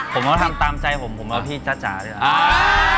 ผมเอาทำตามใจผมผมเอาพี่จ๊ะจ่าดีกว่า